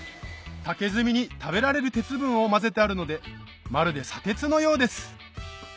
竹炭に食べられる鉄分を混ぜてあるのでまるで砂鉄のようです